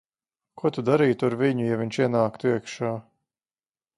Ko tu darītu ar viņu, ja viņš ienāktu iekšā?